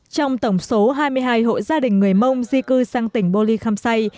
trong tổng số hai mươi hai hộ gia đình người mông di cư sang tỉnh bô ly khăm say